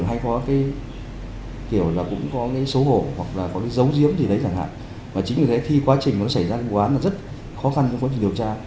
nó rất khó khăn trong quá trình điều tra